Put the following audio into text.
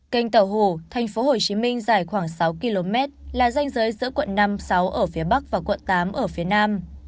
kênh tàu hồ thành phố hồ chí minh dài khoảng sáu km là danh giới giữa quận năm sáu ở phía bắc và quận tám ở phía nam